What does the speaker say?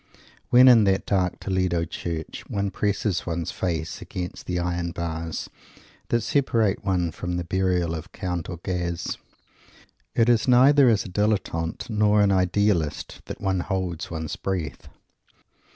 When, in that dark Toledo Church, one presses one's face against the iron bars that separate one from the Burial of Count Orguz, it is neither as a Dilettante nor an Idealist that one holds one's breath.